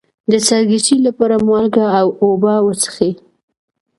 د سرګیچي لپاره مالګه او اوبه وڅښئ